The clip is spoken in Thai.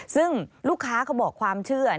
ซึ่งลูกค้าเขาบอกความเชื่อ